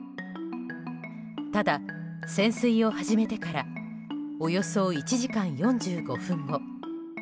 ただ、潜水を始めてからおよそ１時間４５分後